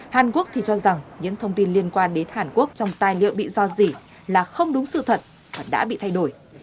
hàn quốc thì cho rằng những thông tin liên quan đến hàn quốc trong tài liệu bị do dỉ là không đúng sự thật và đã bị thay đổi